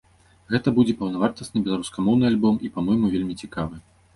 Гэта будзе паўнавартасны беларускамоўны альбом і, па-мойму, вельмі цікавы.